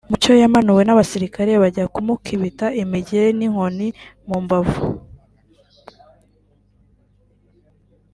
Mucyo yamanuwe n’abasirikare bajya kumukibita imigeri n’inkoni mu mbavu